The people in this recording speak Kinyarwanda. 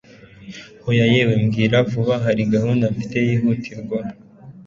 hoya yewe, mbwira vuba hari gahunda mfite yihutirwa